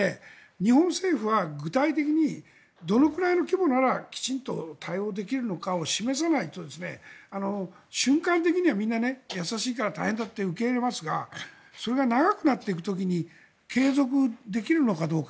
日本政府は具体的にどのくらいの規模ならきちんと対応できるのかを示さないと瞬間的にはみんな優しいから大変だねって受け入れますがそれが長くなっていく時に継続できるのかどうか。